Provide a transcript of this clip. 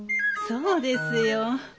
そうですよ。